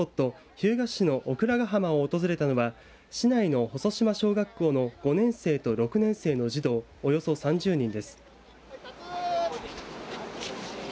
日向市のお倉ヶ浜を訪れたのは市内の細島小学校の５年生と６年生の児童およそ３０人です。